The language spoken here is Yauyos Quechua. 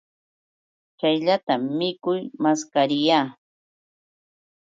Chayllatam mikuy maskaa riyaa.